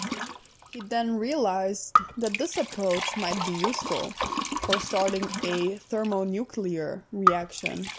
He then realized that this approach might be useful for starting a thermonuclear reaction.